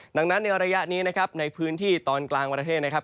ดังนั้นในระยะนี้นะครับในพื้นที่ตอนกลางประเทศนะครับ